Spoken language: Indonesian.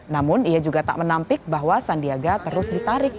namun ia juga tak menampik bahwa sandiaga terus ditarik